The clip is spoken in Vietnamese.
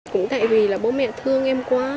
cũng tại vì là bố mẹ thương em